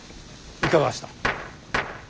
いかがした。